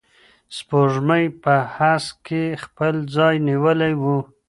سپوږمۍ په هسک کي خپل ځای نیولی و.